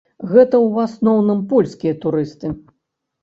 Гэта ў асноўным польскія турысты.